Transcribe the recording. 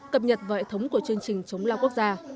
cập nhật vào hệ thống của chương trình chống lao quốc gia